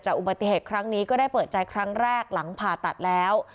อุบัติเหตุครั้งนี้ก็ได้เปิดใจครั้งแรกหลังผ่าตัดแล้ว